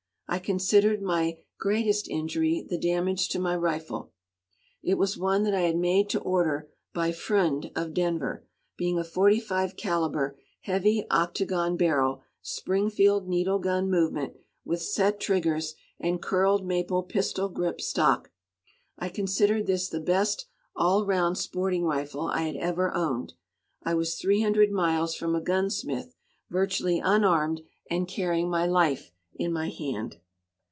I considered my greatest injury the damage to my rifle. It was one that I had made to order by Freund, of Denver, being a 45 caliber, heavy octagon barrel, Springfield needle gun movement, with set triggers and curled maple pistol grip stock. I considered this the best all round sporting rifle I had ever owned. I was three hundred miles from a gunsmith, virtually unarmed, and carrying my life in my hand.